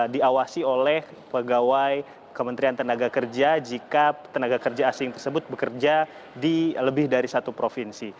diawasi oleh pegawai kementerian tenaga kerja jika tenaga kerja asing tersebut bekerja di lebih dari satu provinsi